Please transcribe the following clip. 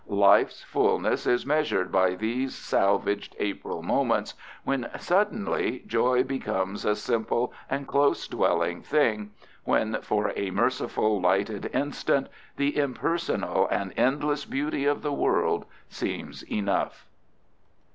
Life's fullness is measured by these salvaged April moments when suddenly joy becomes a simple and close dwelling thing, when for a merciful, lighted instant the impersonal and endless beauty of the world seems enough.